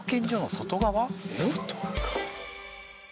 外側？